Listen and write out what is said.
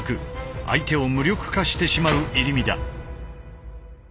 相手を無力化してしまう入身だ。